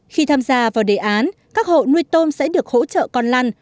khi tham gia vào đề án các hộ nuôi tôm sẽ được hỗ trợ con lăn